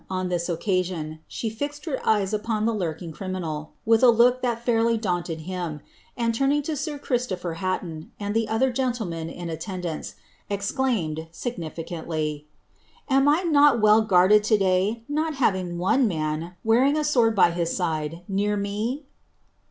<m this occasion, she fixed her eyes upon the lurking criminal, wjdi a look that fairly daunted him, and turning to sir Christopher Haiton. and the other gonilemen in attendance, exclaimed, significaiiilv, "Am I not well guarded to day, not having one man, wearing a sword bv bis sii'e. near me?"